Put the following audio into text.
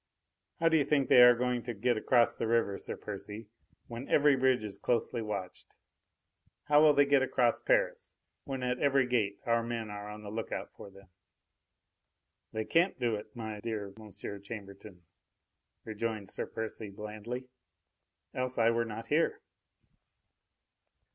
How do you think they are going to get across the river, Sir Percy, when every bridge is closely watched? How will they get across Paris, when at every gate our men are on the look out for them?" "They can't do it, my dear Monsieur Chambertin," rejoined Sir Percy blandly, "else I were not here."